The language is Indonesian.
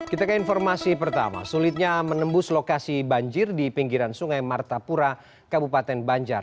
kita ke informasi pertama sulitnya menembus lokasi banjir di pinggiran sungai martapura kabupaten banjar